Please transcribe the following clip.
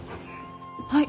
はい！